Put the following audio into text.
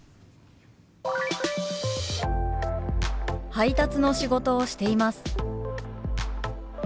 「配達の仕事をしています」。